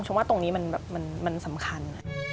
ว่าตรงนี้มันสำคัญ